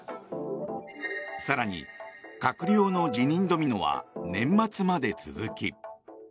更に閣僚の辞任ドミノは年末まで続き。